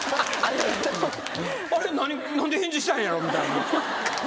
何で返事したんやろみたいな。